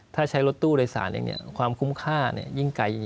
ถ้าใช้รถตู้โดยสารเองความคุ้มค่ายิ่งไกล